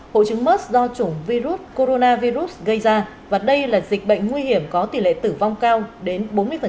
hội chứng mers do chủng coronavirus gây ra và đây là dịch bệnh nguy hiểm có tỷ lệ tử vong cao đến bốn mươi